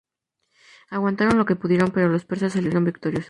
Aguantaron lo que pudieron, pero los persas salieron victoriosos.